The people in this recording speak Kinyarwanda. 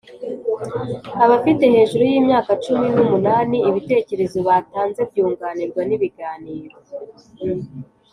Abafite hejuru y imyaka cumi n umunani ibitekerezo batanze byunganirwa n ibiganiro